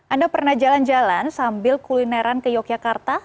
anda pernah jalan jalan sambil kulineran ke yogyakarta